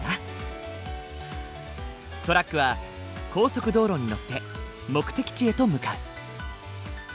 トラックは高速道路に乗って目的地へと向かう。